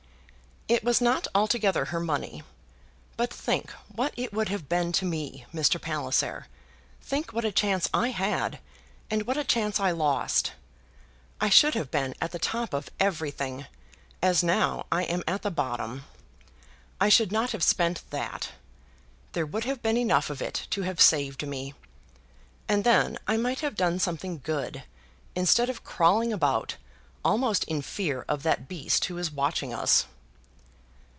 "It was not altogether her money. But think what it would have been to me, Mr. Palliser. Think what a chance I had, and what a chance I lost. I should have been at the top of everything, as now I am at the bottom. I should not have spent that. There would have been enough of it to have saved me. And then I might have done something good instead of crawling about almost in fear of that beast who is watching us."